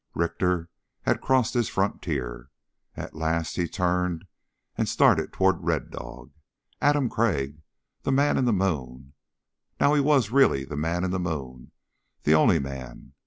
Richter had crossed his frontier. At last he turned and started toward Red Dog. Adam Crag, the Man in the Moon. Now he was really the Man in the Moon. The only Man.